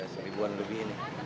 seribuan lebih ini